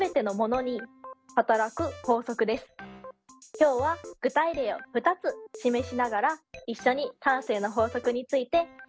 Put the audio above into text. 今日は具体例を２つ示しながら一緒に慣性の法則について考えていきましょう。